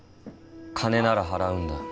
・「金なら払うんだ